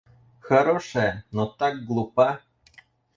Хорошая, но так глупа!